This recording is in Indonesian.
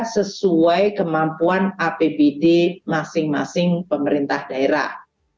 sesuai kemampuan apbd masing masing pemerintah daerah